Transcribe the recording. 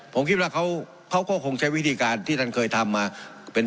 ผมคิดว่าเขาก็คงใช้วิธีการที่ท่านเคยทำมาเป็น